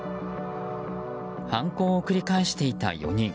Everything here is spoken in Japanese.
犯行を繰り返していた４人。